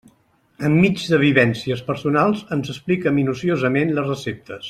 Enmig de vivències personals, ens explica minuciosament les receptes.